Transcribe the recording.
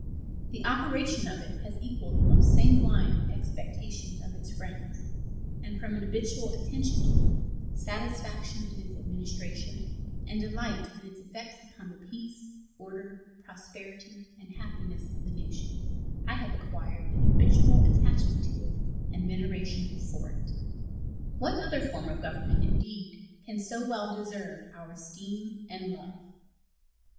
The operation of it has equaled the most sanguine expectations of its friends, and from an habitual attention to it, satisfaction in its administration, and delight in its effects upon the peace, order, prosperity, and happiness of the nation I have acquired an habitual attachment to it and veneration for it. What other form of government, indeed, can so well deserve our esteem and love?